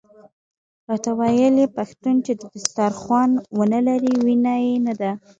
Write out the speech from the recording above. راته ویل یې پښتون چې دسترخوان ونه لري وینه یې نده.